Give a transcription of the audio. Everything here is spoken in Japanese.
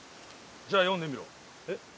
じゃあ読んでみろ。え？